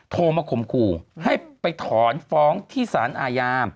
โทรมาข่มขู่ให้ไปถอนฟ้องที่สารอาญา